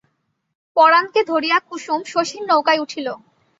পরাণকে ধরিয়া কুসুম শশীর নৌকায় উঠিল।